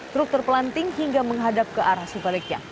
truk terpelanting hingga menghadap ke arah sebaliknya